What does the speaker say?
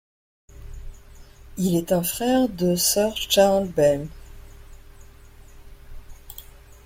Il est un frère de Sir Charles Bell.